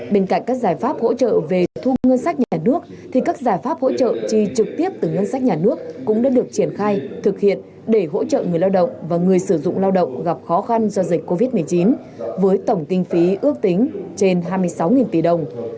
bên cạnh các giải pháp hỗ trợ về thu ngân sách nhà nước thì các giải pháp hỗ trợ chi trực tiếp từ ngân sách nhà nước cũng đã được triển khai thực hiện để hỗ trợ người lao động và người sử dụng lao động gặp khó khăn do dịch covid một mươi chín với tổng kinh phí ước tính trên hai mươi sáu tỷ đồng